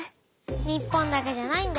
日本だけじゃないんだよ。